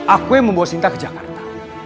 aku yang membawa sinta ke jakarta